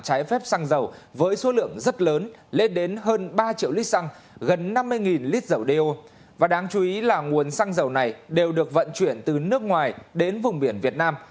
trái phép xăng dầu với số lượng rất lớn lên đến hơn ba triệu lít xăng gần năm mươi lít dầu đeo và đáng chú ý là nguồn xăng dầu này đều được vận chuyển từ nước ngoài đến vùng biển việt nam